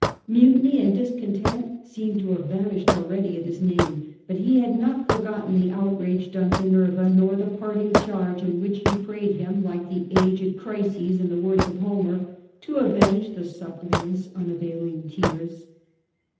Mutiny and discontent seemed to have vanished already at his name ; but he had not forgotten the outrage done to Nerva, nor the parting ^ charge in which he prayed him, like the aged ■ Chryses in the words of Homer, * to avenge the suppliant's unavailing tears.